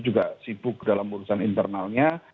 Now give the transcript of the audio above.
juga sibuk dalam urusan internalnya